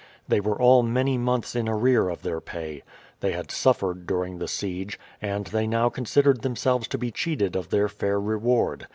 They were all many months in arrear of their pay. They had suffered during the siege, and they now considered themselves to be cheated of their fair reward.